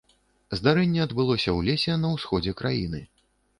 Здарэнне адбылося ў лесе на ўсходзе краіны.